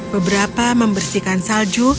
beberapa membersihkan salju